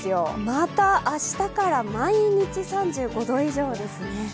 また明日から毎日３５度以上ですね。